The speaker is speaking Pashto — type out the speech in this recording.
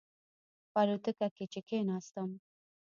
په الوتکه کې چې کېناستم.